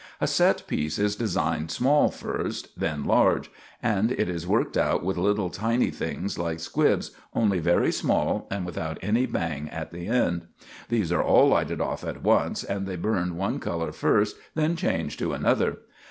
A set piece is designed small first, then large; and it is worked out with little tiny things like squibs, only very small and without any bang at the end. These are all lighted off at once, and they burn one color first, then change to another.